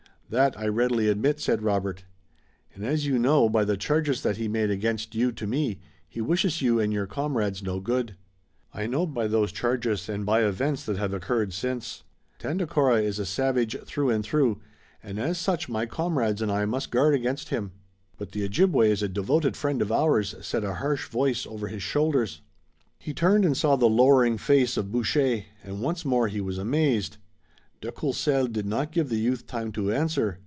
"That I readily admit," said Robert. "And as you know by the charges that he made against you to me, he wishes you and your comrades no good." "I know by those charges and by events that have occurred since. Tandakora is a savage through and through, and as such my comrades and I must guard against him." "But the Ojibway is a devoted friend of ours," said a harsh voice over his shoulders. He turned and saw the lowering face of Boucher, and once more he was amazed. De Courcelles did not give the youth time to answer.